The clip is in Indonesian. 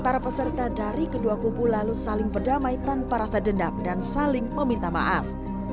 para peserta dari kedua kubu lalu saling berdamai tanpa rasa dendam dan saling meminta maaf